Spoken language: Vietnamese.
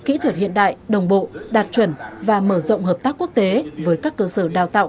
kỹ thuật hiện đại đồng bộ đạt chuẩn và mở rộng hợp tác quốc tế với các cơ sở đào tạo